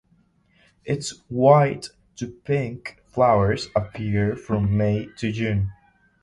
Its white to pink flowers appear from May to June.